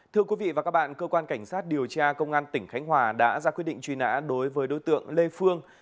thưa quý vị và các bạn cơ quan cảnh sát điều tra công an tỉnh khánh hòa đã ra quyết định truy nã đối với đối tượng lê phương